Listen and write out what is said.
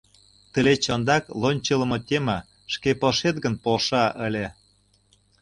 Тылеч ондак лончылымо тема «Шке полшет гын, полша» ыле.